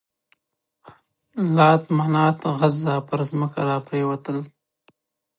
لات، منات، عزا پر ځمکه را پرېوتل.